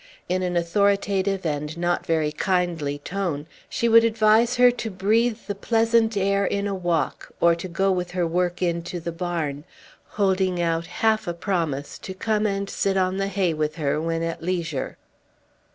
In an authoritative and not very kindly tone, she would advise her to breathe the pleasant air in a walk, or to go with her work into the barn, holding out half a promise to come and sit on the hay with her, when at leisure.